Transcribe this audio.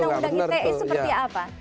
desakan revisi undang undang ite itu seperti apa